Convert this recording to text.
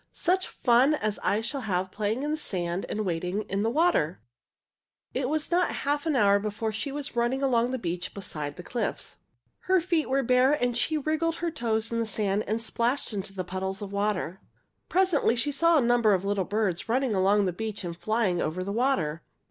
"Such fun as I shall have playing in the sand and wading in the water." It was not half an hour before she was running along the beach beside the cliffs. Her feet were bare, and she wriggled her toes in the sand and splashed into the puddles of water. Presently she saw a number of little birds running along the beach and flying over the water.